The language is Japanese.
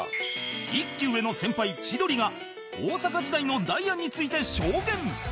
１期上の先輩千鳥が大阪時代のダイアンについて証言